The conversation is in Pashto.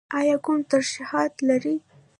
ایا کوم ترشحات لرئ؟